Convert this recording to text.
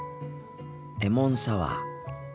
レモンサワー。